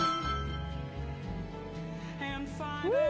うん！